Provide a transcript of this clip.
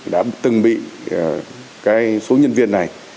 đã từng bị số nhân viên này